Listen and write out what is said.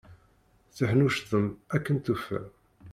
Teḥnuccḍem akken tufam.